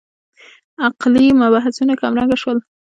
عقلي مبحثونه کمرنګه شول.